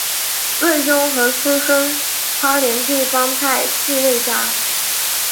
魏东河出身花莲地方派系魏家。